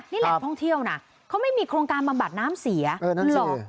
นี่แหล่งท่องเที่ยวนะเขาไม่มีโครงการบำบัดน้ำเสียหรอก